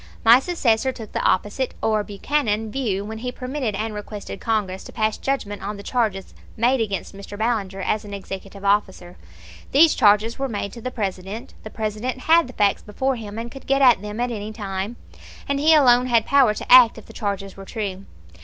My successor took the opposite, or Buchanan, view when he permitted and requested Congress to pass judgment on the charges made against Mr. Ballinger as an executive officer. These charges were made to the President; the President had the facts before him and could get at them at any time, and he alone had power to act if the charges were true.